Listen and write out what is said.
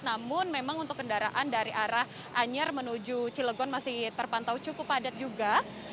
namun memang untuk kendaraan dari arah anyer menuju cilegon masih terpantau cukup padat juga